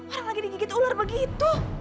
orang lagi digigit ular begitu